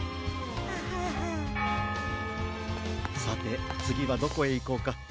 さてつぎはどこへいこうか。